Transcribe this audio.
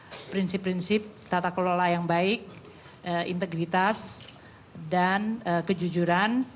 ada prinsip prinsip tata kelola yang baik integritas dan kejujuran